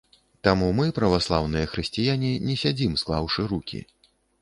Таму мы, праваслаўныя хрысціяне, не сядзім склаўшы рукі.